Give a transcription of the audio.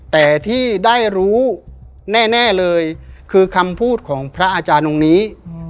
แต่ที่ได้รู้แน่เลยคือคำพูดของพระอาจารย์องค์นี้